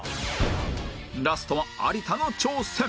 ラストは有田の挑戦